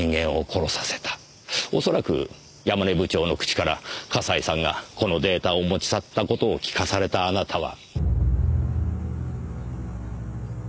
おそらく山根部長の口から笠井さんがこのデータを持ち去った事を聞かされたあなたは。